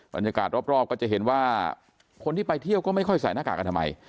บรรยากาศรอบก็จะเห็นว่าคนที่ไปเที่ยวก็ไม่ค่อยใส่หน้ากากอนามัย